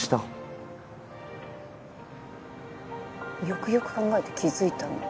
よくよく考えて気付いたの。